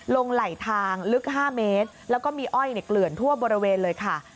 ไหลทางลึก๕เมตรแล้วก็มีอ้อยเกลื่อนทั่วบริเวณเลยค่ะ